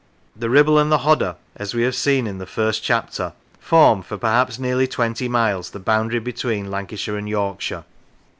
The Kibble and the Hodder, as we have seen in the first chapter, form, for perhaps nearly twenty miles, the boundary between Lancashire and Yorkshire.